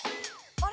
あれ？